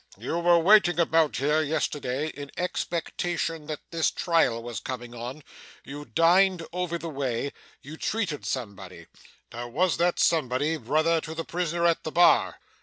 You were waiting about here, yesterday, in expectation that this trial was coming on. You dined over the way. You treated somebody. Now, was that somebody brother to the prisoner at the bar?